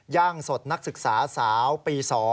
ย่างสดนักศึกษาสาวปี๒